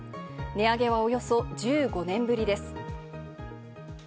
値上げはおよそ１５年ぶりです。